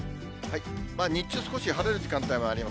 日中少し晴れる時間帯もあります。